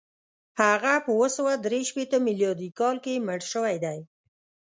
هغه په اووه سوه درې شپېته میلادي کال کې مړ شوی دی.